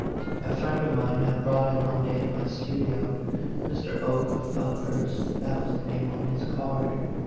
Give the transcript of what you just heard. A friend of mine had brought him one day to my studio Mr. Oke of Oke hurst, that was the name on his card.